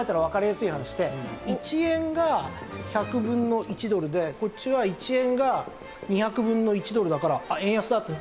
１円が１００分の１ドルでこっちは１円が２００分の１ドルだからあっ円安だと。